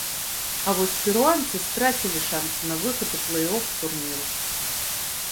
А вось перуанцы страцілі шанцы на выхад у плэй-оф турніру.